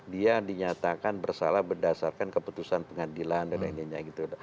dia dinyatakan bersalah berdasarkan keputusan pengadilan dan lainnya gitu